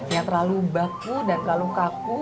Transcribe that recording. ya terlalu baku dan terlalu kaku